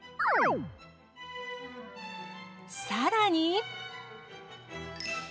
さらに。